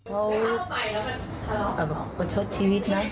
เพลินประชดชีวิตนะ